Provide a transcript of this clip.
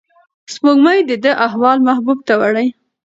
سپوږمۍ د ده احوال محبوب ته وړي.